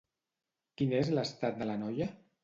Quin és l'estat de la noia?